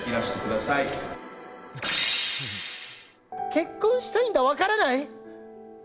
結婚したいんだ、分からない？